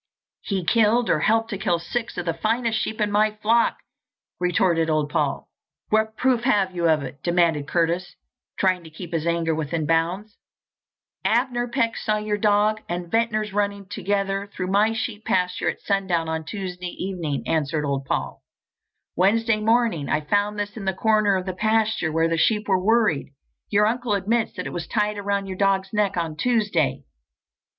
"He killed or helped to kill six of the finest sheep in my flock!" retorted old Paul. "What proof have you of it?" demanded Curtis, trying to keep his anger within bounds. "Abner Peck saw your dog and Ventnor's running together through my sheep pasture at sundown on Tuesday evening," answered old Paul. "Wednesday morning I found this in the corner of the pasture where the sheep were worried. Your uncle admits that it was tied around your dog's neck on Tuesday."